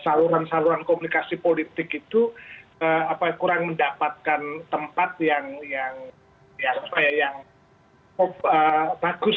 saluran saluran komunikasi politik itu kurang mendapatkan tempat yang bagus